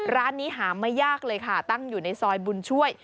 ร้านนี้หาไม่ยากเลยค่ะตั้งอยู่ในซอยบุญช่วย